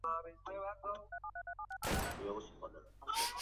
双眼刺仿刺铠虾为铠甲虾科仿刺铠虾属下的一个种。